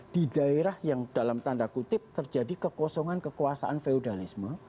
di daerah yang dalam tanda kutip terjadi kekosongan kekuasaan feudalisme